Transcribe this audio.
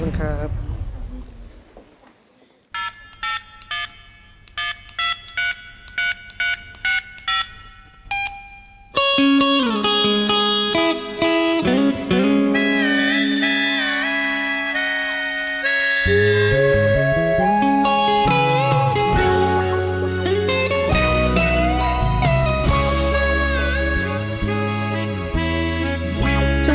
โดยเจ้าของบริเวณพี่แชมป์